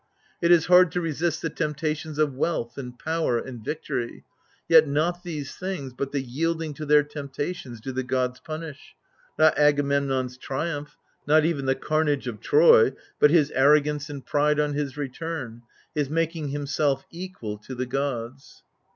It is hard to resist the temptations of wealth, and power, and victory; yet not these things, but the yielding to their tempta tions, do the gods punish : not Agamemnon's triumph, not even the carnage of Troy, but his arrogance and pride on his return : his making himself equal to the gods.